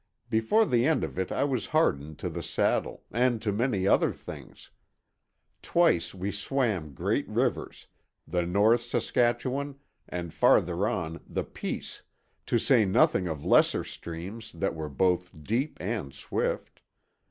Before the end of it I was hardened to the saddle; and to many other things. Twice we swam great rivers, the North Saskatchewan, and farther on the Peace—to say nothing of lesser streams that were both deep and swift.